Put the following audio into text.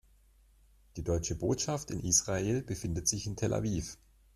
Die Deutsche Botschaft in Israel befindet sich in Tel Aviv.